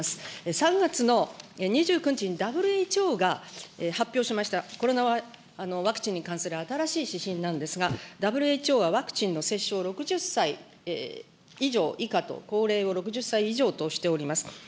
３月の２９日にＷＨＯが発表しました、コロナワクチンに関する新しい指針なんですが、ＷＨＯはワクチンの接種を６０歳以上、以下と、高齢を６０歳以上としております。